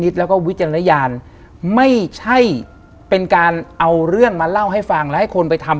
ที่ไหนในบ้านเหรอ